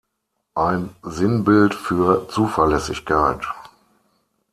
Ein Sinnbild für Zuverlässigkeit.